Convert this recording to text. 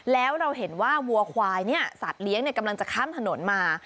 แล้วเราเห็นว่าวัวควายเนี่ยสัตว์เลี้ยงกำลังจะข้ามถนนมา